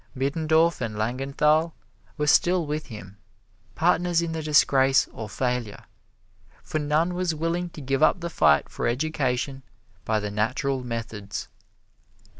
Middendorf and Langenthal were still with him, partners in the disgrace or failure, for none was willing to give up the fight for education by the natural methods.